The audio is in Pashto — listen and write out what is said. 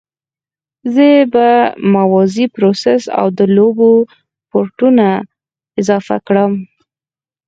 زه به موازي پروسس او د لوبو پورټونه اضافه کړم